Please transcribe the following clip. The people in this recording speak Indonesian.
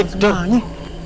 eh keren semuanya